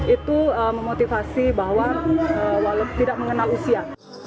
itu memotivasi bahwa tidak mengenal usia